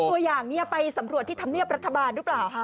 คุมตัวอย่างเนี้ยไปสำรวจที่ธำเนียบรัฐบาลรึเปล่าฮะ